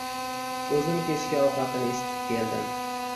Oʻzim kechki ovqatini isitib keldim